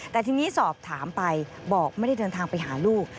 แต่ทีนี้สอบถามไปบอกไม่ได้เดินทางไปหาลูก